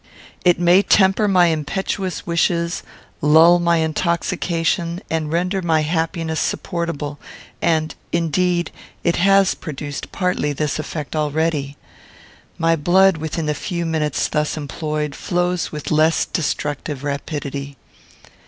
It may temper my impetuous wishes; lull my intoxication; and render my happiness supportable; and, indeed, it has produced partly this effect already. My blood, within the few minutes thus employed, flows with less destructive rapidity.